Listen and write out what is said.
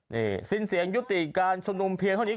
นี่สิ้นเสียงยุติการชุมนุมเพียงเท่านี้